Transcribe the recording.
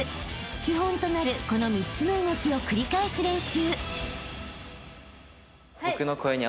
［基本となるこの３つの動きを繰り返す練習］